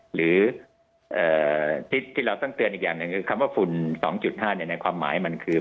หรือทิศที่เราต้องเตือนอีกอย่างหนึ่งคือคำว่าฝุ่น๒๕ในความหมายมันคือ